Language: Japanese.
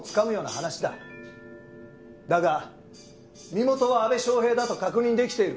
だが身元は阿部祥平だと確認出来ている。